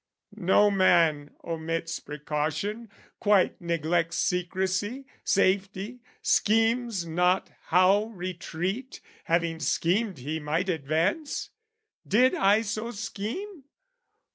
No man omits precaution, quite neglects Secrecy, safety, schemes not how retreat, Having schemed he might advance. Did I so scheme?